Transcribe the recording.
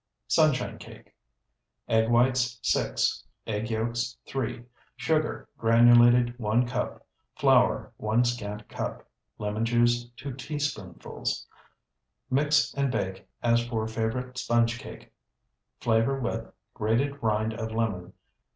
SUNSHINE CAKE Egg whites, 6. Egg yolks, 3. Sugar, granulated, 1 cup. Flour, 1 scant cup. Lemon juice, 2 teaspoonfuls. Mix and bake as for Favorite Sponge Cake, flavor with Grated rind of lemon.